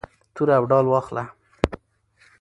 توره او ډال واخله.